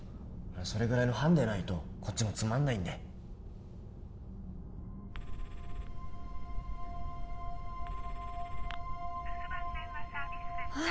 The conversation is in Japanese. それぐらいのハンデないとこっちもつまんないんでああ